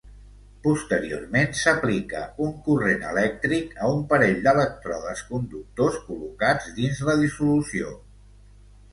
Posteriorment s'aplica un corrent elèctric a un parell d'elèctrodes conductors col·locats dins la dissolució.